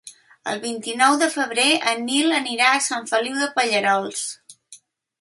El vint-i-nou de febrer en Nil anirà a Sant Feliu de Pallerols.